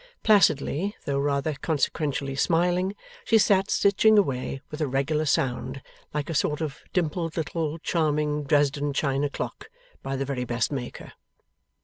Placidly, though rather consequentially smiling, she sat stitching away with a regular sound, like a sort of dimpled little charming Dresden china clock by the very best maker.